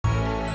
kamu mau kemana